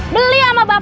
beli sama bapaknya